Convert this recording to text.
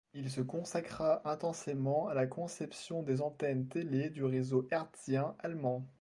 Il se consacra intensément à la conception des antennes télé du réseau hertzien allemand.